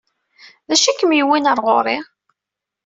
D acu i ken-yewwin ɣer ɣur-i?